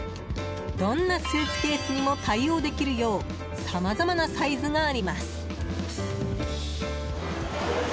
どんなスーツケースにも対応できるようさまざまなサイズがあります。